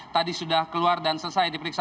tadi sudah keluar dan selesai diperiksa